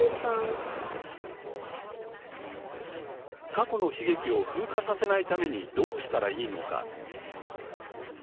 過去の悲劇を風化させないためにどうしたらいいのか。